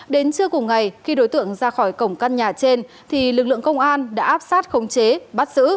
đến trước cùng ngày khi đối tượng ra khỏi cổng căn nhà trên lực lượng công an đã áp sát không chế bắt giữ